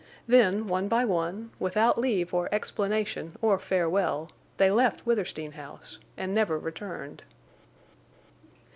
Then one by one, without leave or explanation or farewell, they left Withersteen House, and never returned.